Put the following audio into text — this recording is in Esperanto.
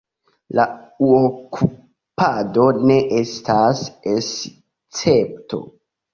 La okupado ne estas escepto.